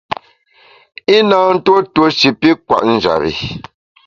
I na ntuo tuo shi pi kwet njap bi.